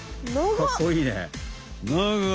かっこいいね！